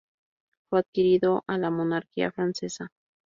Fue adquirido a la monarquía francesa.